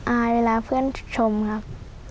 อายเวลาเพื่อนชมครับ